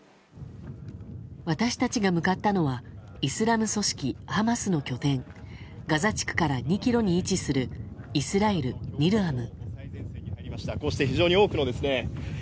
私たちが向かったのはイスラム組織ハマスの拠点ガザ地区から２ｋｍに位置するイスラエル・ニルアム。